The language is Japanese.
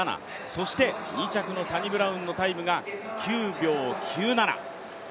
そして、２着のサニブラウンのタイムが９秒９７。